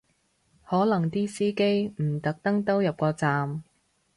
可能啲司機唔特登兜入個站